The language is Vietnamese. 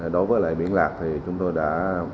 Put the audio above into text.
đối với lại biển lạc thì chúng tôi đã